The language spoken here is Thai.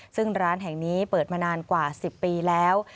ซึ่งร้านแห่งนี้เปิดมานานกว่า๑๐ปีแล้ว